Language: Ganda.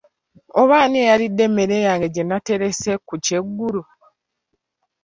Oba ani yalidde emmere yange gye nnaterese ku kyeggulo?